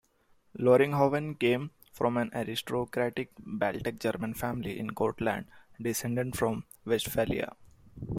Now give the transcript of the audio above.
Loringhoven came from an aristocratic Baltic German family in Courland descended from Westphalia.